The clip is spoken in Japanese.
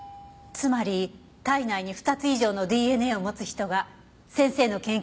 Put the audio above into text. つまり体内に２つ以上のＤＮＡを持つ人が先生の研究に協力している。